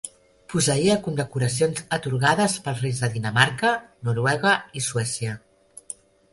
Posseïa condecoracions atorgades pels reis de Dinamarca, Noruega i Suècia.